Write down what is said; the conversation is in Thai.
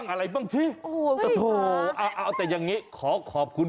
นี่เห้ยมันสลับตำแหน่งกันคุณ